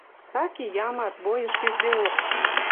Так и ямат, бойыш пиждеок...